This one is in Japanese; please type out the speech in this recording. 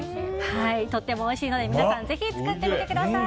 とってもおいしいので皆さんもぜひ作ってみてください。